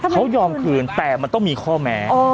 เขายอมคืนแต่มันต้องมีข้อแม้